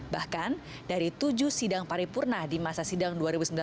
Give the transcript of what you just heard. bahkan dari tujuh sidang paripurna di masa sidang dua ribu sembilan belas